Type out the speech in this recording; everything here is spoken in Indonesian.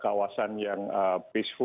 kawasan yang peaceful dan stabil